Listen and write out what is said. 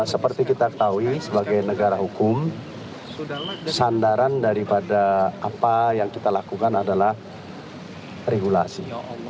seperti kita ketahui sebagai negara hukum sandaran daripada apa yang kita lakukan adalah regulasi